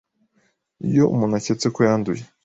iyo umuntu aketse ko yanduye,